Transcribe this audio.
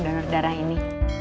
donor darah ini